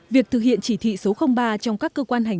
việc thực hiện chỉ thị số ba trong các cơ quan hành